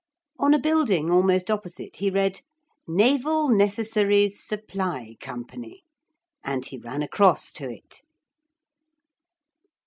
On a building almost opposite he read, 'Naval Necessaries Supply Company,' and he ran across to it.